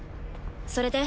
それで？